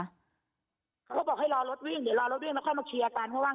เค้าก็บอกให้รอรถวิ่งเดี๋ยวรอรถวิ่งแล้วค่อยมาเชียร์กัน